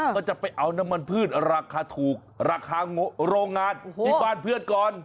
ก็จะไปเอาน้ำมันพืชราคาถูกราคาโรงงานที่บ้านเพื่อนก่อน